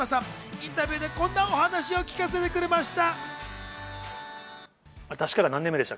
インタビューでこんなお話を聞かせてくれました。